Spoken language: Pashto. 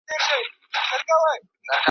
شاګرد باید د خپلې څيړني لپاره ډېر وګرځي.